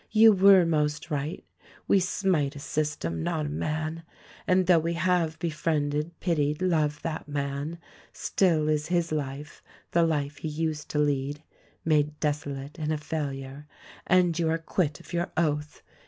You were most right ; we smite a system, not a man ; and though we have befriended, pitied, loved that man, still is his life — the life he used to lead — made desolate and a failure — and you are quit of your oath.